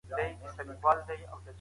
آيا د جزيې حکم په قرآن کي سته؟